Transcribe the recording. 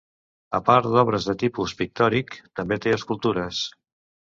A part d'obres de tipus pictòric, també té escultures.